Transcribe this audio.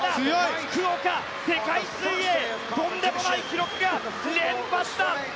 福岡世界水泳とんでもない記録が連発だ。